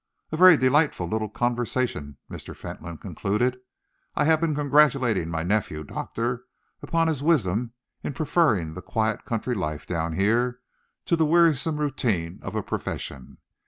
"A very delightful little conversation," Mr. Fentolin concluded. "I have been congratulating my nephew, Doctor, upon his wisdom in preferring the quiet country life down here to the wearisome routine of a profession.